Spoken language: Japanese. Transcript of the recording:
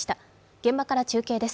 現場から中継です。